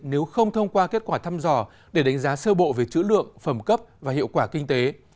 nếu không thông qua kết quả thăm dò để đánh giá sơ bộ về chữ lượng phẩm cấp và hiệu quả kinh tế